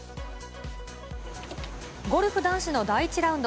ゴルフ男子の第１ラウンド。